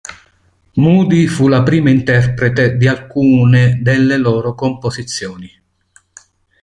Moodie fu la prima interprete di alcune delle loro composizioni.